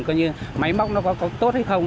coi như máy móc nó có tốt hay không